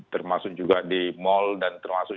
termasuk juga di mal dan termasuk